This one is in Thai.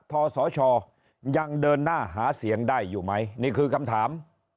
ทศชยังเดินหน้าหาเสียงได้อยู่ไหมนี่คือคำถาม